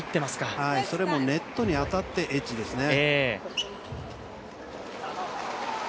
それもネットに当たってエッジですね。